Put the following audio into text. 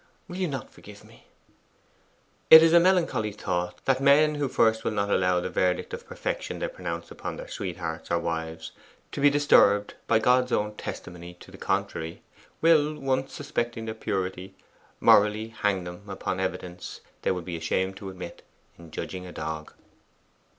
Will you not forgive me?' It is a melancholy thought, that men who at first will not allow the verdict of perfection they pronounce upon their sweethearts or wives to be disturbed by God's own testimony to the contrary, will, once suspecting their purity, morally hang them upon evidence they would be ashamed to admit in judging a dog.